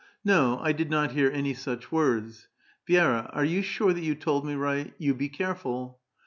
" No, I did not hear any such words. Vi^ra, are you sure that you told me right ? You be careful